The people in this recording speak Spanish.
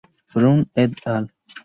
Brown "et al.